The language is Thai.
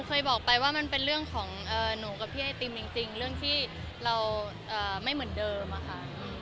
เคยบอกไปว่ามันเป็นเรื่องของหนูกับพี่ไอติมจริงเรื่องที่เราไม่เหมือนเดิมอะค่ะ